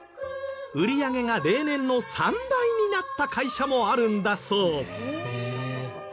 売り上げが例年の３倍になった会社もあるんだそう。